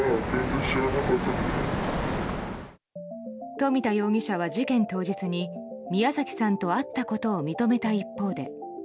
冨田容疑者は事件当日に宮崎さんと会ったことを認めた一方で。